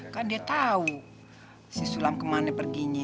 kan dia tahu si sulam kemana perginya